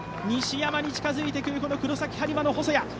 西山に近づいてくる黒崎播磨の細谷。